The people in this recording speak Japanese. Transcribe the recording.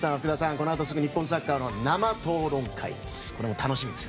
このあとすぐ日本サッカーの生討論会です。